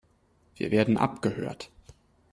Wir werden abgehört.